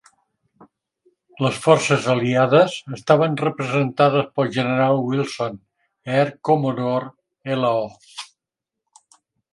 Les forces aliades estaven representades pel General Wilson, Air Commodore L. O.